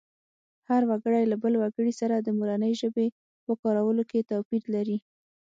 هر وګړی له بل وګړي سره د مورنۍ ژبې په کارولو کې توپیر لري